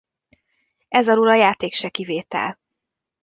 Ez alól a játék se kivétel.